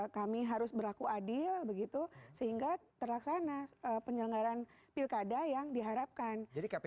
kami harus berlaku adil begitu sehingga terlaksana penyelenggaraan pilkada yang diharapkan jadi kpu